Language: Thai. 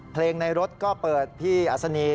ในรถก็เปิดพี่อัศนี